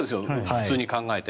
普通に考えて。